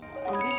di dalam panas